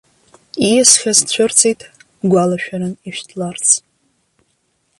Ииасхьаз цәырҵит, гәалашәаран ишәҭларц!